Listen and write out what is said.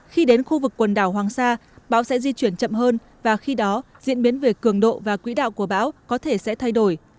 khi đến khu vực quần đảo hoàng sa bão sẽ di chuyển chậm hơn và khi đó diễn biến về cường độ và quỹ đạo của bão có thể sẽ thay đổi